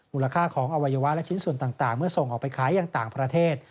มูลค่าของอวัยวะและชิ้นส่วนต่างเมื่อส่งออกไปขายอย่างต่างประเทศ